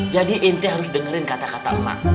jadi inti harus dengerin kata kata emak